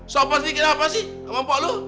sopan sedikit apa sih sama mpo lo